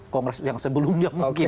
kongres yang sebelumnya mungkin